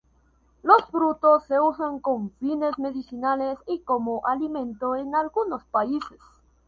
Los frutos se usan con fines medicinales y como alimento en algunos países.